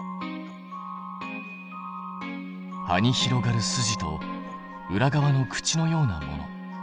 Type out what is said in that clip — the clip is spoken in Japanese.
葉に広がる筋と裏側の口のようなもの。